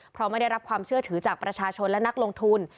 เพราะไม่ได้รับความเชื่อถือจากประชาชนและนักลงทุน